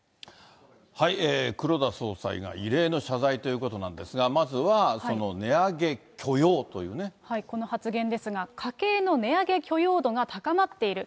黒田総裁が異例の謝罪ということなんですが、この発言ですが、家計の値上げ許容度が高まっている。